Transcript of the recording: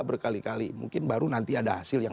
berkali kali mungkin baru nanti ada hasil yang